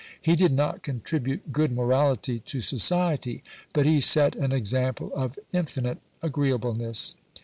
He did not contribute good morality to society, but he set an example of infinite agreeableness.